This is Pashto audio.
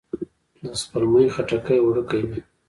د سپلمۍ خټکی وړوکی وي